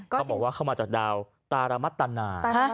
เขาบอกว่าเข้ามาจากดาวตารมัตนา